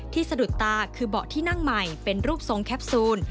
สะดุดตาคือเบาะที่นั่งใหม่เป็นรูปทรงแคปซูล